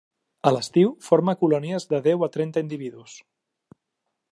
A l'estiu forma colònies de deu a trenta individus.